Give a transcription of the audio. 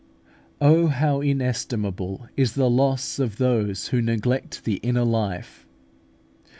Oh, how inestimable is the loss of those who neglect the inner life!